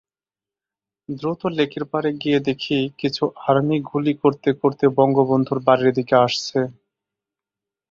দ্রুত লেকের পাড়ে গিয়ে দেখি কিছু আর্মি গুলি করতে করতে বঙ্গবন্ধুর বাড়ির দিকে আসছে।